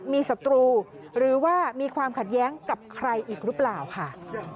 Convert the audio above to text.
มีศัตรูหรือว่ามีความขัดแย้งกับใครอีกหรือเปล่าค่ะ